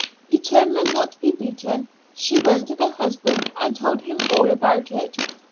Determined not to be beaten, she went to the husband and told him all about it.